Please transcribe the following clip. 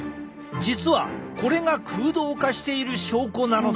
実はこれが空洞化している証拠なのだ！